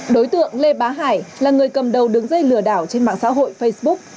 đối tượng lê bá hải là người cầm đầu đứng dây lừa đảo trên mạng xã hội facebook